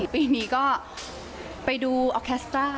ปีนี้ก็ไปดูออแคสต้า